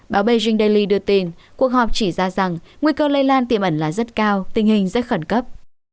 báo bay gen daily đưa tin cuộc họp chỉ ra rằng nguy cơ lây lan tiềm ẩn là rất cao tình hình rất khẩn cấp